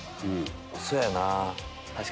そやな。